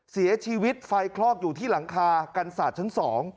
เสียชีวิตไฟคลอกอยู่ที่หลังคากันศาสตร์ชั้น๒